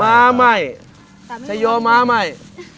มาใหม่ชัยโยมาใหม่